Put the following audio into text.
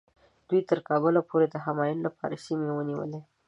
دوی تر کابله پورې د همایون لپاره سیمې ونیولې.